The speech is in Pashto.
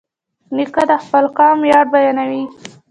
نیکه د خپل قوم ویاړ بیانوي.